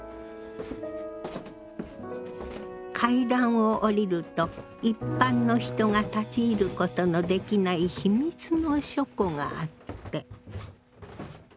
階段を下りると一般の人が立ち入ることのできない秘密の書庫があって。